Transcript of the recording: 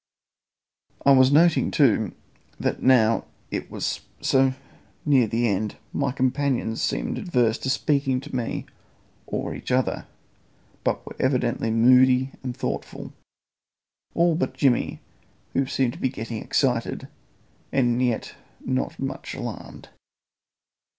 I was noting, too, that now it was so near the end, my companions seemed averse to speaking to me or each other, but were evidently moody and thoughtful; all but Jimmy, who seemed to be getting excited, and yet not much alarmed.